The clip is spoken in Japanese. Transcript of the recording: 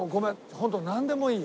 ホントなんでもいい。